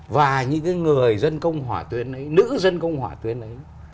và những người dân công hỏa tuyến ấy